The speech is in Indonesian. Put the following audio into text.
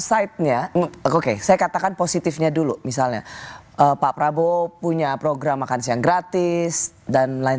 site nya oke saya katakan positifnya dulu misalnya pak prabowo punya program makan siang gratis dan lain